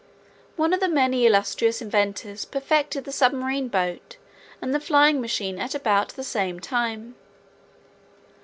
One of the many illustrious inventors perfected the submarine boat and the flying machine at about the same time.